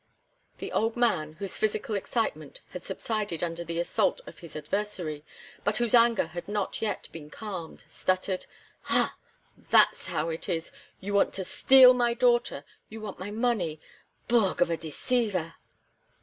The old man, whose physical excitement had subsided under the assault of his adversary, but whose anger had not yet been calmed, stuttered: "Ha! that's how it is! You want to steal my daughter; you want my money. Bougrrre of a deceiver!"